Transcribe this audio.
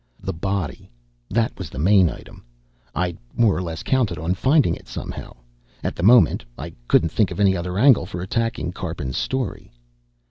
The body, that was the main item. I'd more or less counted on finding it somehow. At the moment, I couldn't think of any other angle for attacking Karpin's story.